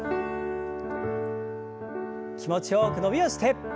気持ちよく伸びをして。